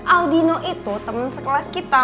aldino itu teman sekelas kita